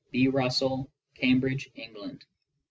B. Russell. Gambbidob, England.